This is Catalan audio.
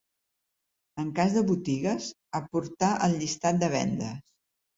En cas de botigues, aportar el llistat de vendes.